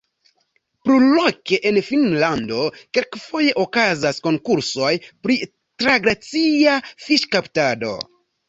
Plurloke en Finnlando kelkfoje okazas konkursoj pri traglacia fiŝkaptado.